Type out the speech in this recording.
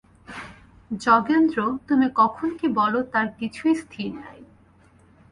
যোগেন্দ্র, তুমি কখন কী বল তার কিছুই স্থির নাই।